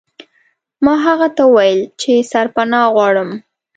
ما هغه ته وویل چې سرپناه غواړم.